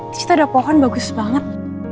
di situ ada pohon bagus banget